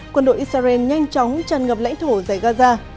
quân đội israel nhanh chóng tràn ngập lãnh thổ giải gaza